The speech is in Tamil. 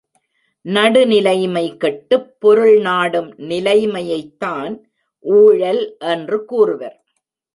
நடுநிலைமை கெட்டுப் பொருள் நாடும் நிலைமையைத் தான் ஊழல் என்று கூறுவர்.